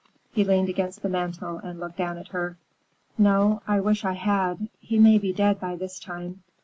He leaned against the mantel and looked down at her. "No, I wish I had. He may be dead by this time.